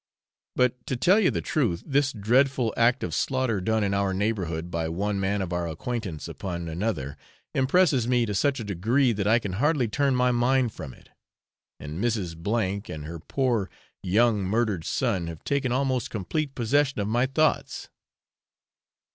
But, to tell you the truth, this dreadful act of slaughter done in our neighbourhood by one man of our acquaintance upon another, impresses me to such a degree that I can hardly turn my mind from it, and Mrs. W and her poor young murdered son have taken almost complete possession of my thoughts.